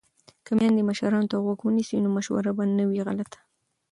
که میندې مشرانو ته غوږ ونیسي نو مشوره به نه وي غلطه.